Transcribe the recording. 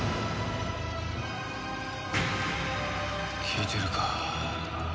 聞いてるか？